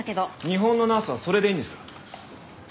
日本のナースはそれでいいんですか？